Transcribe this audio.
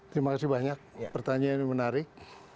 terima kasih banyak pertanyaan yang menarik